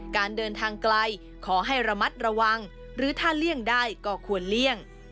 การเดินทางไกลขอให้ระมัดระวังหรือถ้าเลี่ยงได้ก็ควรเลี่ยง